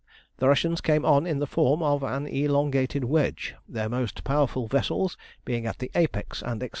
The Russians came on in the form of an elongated wedge, their most powerful vessels being at the apex and external sides.